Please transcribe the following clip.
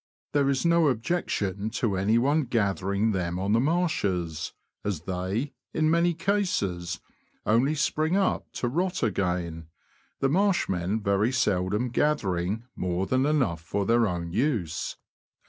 There is no objection to anyone gathering them on the marshes, as they, in many cases, only spring up to rot again, the marsh men very seldom gathering more than enough for their own use.